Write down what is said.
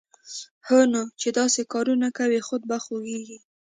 هونو چې داسې کارونه کوی، خود به خوږېږې